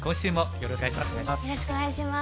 よろしくお願いします。